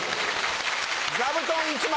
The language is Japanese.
座布団１枚。